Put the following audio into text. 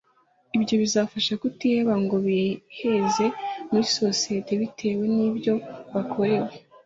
Ibyo bizabafasha kutiheba ngo biheze muri sosiyete bitewe n’ibyo bakorewe